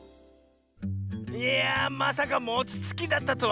いやまさかもちつきだったとはね！